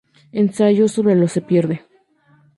Ensayo sobre lo se pierde.